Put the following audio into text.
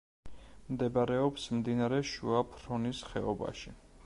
მდებარეობს მდინარე შუა ფრონის ხეობაში.